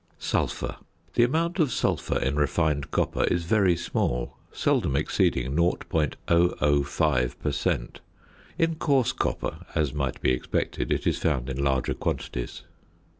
~Sulphur.~ The amount of sulphur in refined copper is very small, seldom exceeding 0.005 per cent. In coarse copper, as might be expected, it is found in larger quantities.